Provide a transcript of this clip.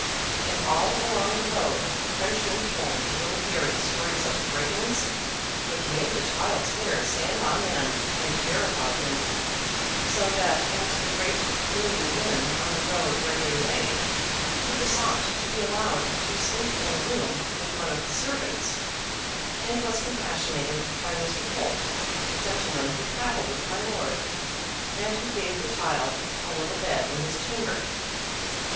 And all along the road the Frenchman told little Harry stories of brigands, which made the child's hair stand on end, and terrified him; so that at the great gloomy inn on the road where they lay, he besought to be allowed to sleep in a room with one of the servants, and was compassionated by Mr. Holt, the gentleman who travelled with my lord, and who gave the child a little bed in his chamber.